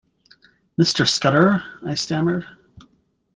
“Mr Scudder...” I stammered.